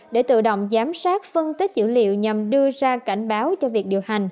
để tự động giám sát phân tích dữ liệu nhằm đưa ra cảnh báo cho việc điều hành